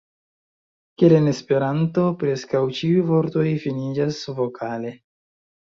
Kiel en Esperanto, preskaŭ ĉiuj vortoj finiĝas vokale.